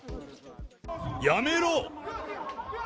やめろ！